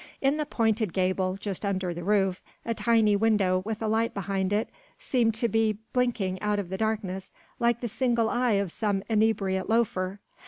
In the pointed gable, just under the roof, a tiny window with a light behind it seemed to be blinking out of the darkness like the single eye of some inebriate loafer.